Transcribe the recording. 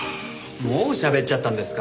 もうしゃべっちゃったんですか？